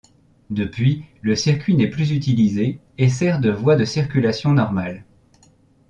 Depuis, le circuit n'est plus utilisé et sert de voie de circulation normale.